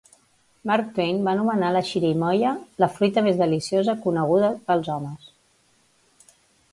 Mark Twain va anomenar la xirimoia "la fruita més deliciosa coneguda pels homes".